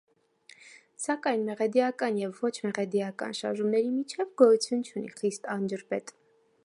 Սակայն մեղեդիական և ոչ մեղեդիական շարժումների միջև գոյություն չունի խիստ անջրպետ։